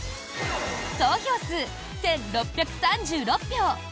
総票数１６３６票！